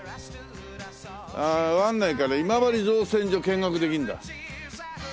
ああ湾内から今治造船所見学できるんだ。